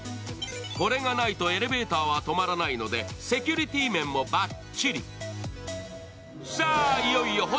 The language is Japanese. これがないとエレベーターは止まらないので、セキュリティー面もばっちり。